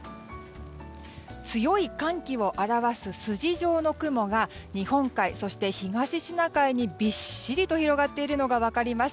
強い寒気を表す筋状の雲が日本海、そして東シナ海にびっしりと広がっているのが分かります。